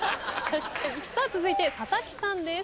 続いて佐々木さんです。